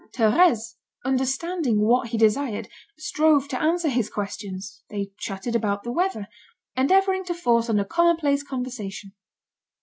Thérèse, understanding what he desired, strove to answer his questions. They chatted about the weather, endeavouring to force on a commonplace conversation.